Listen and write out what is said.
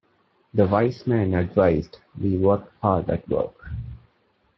The wise man advised we work hard at work.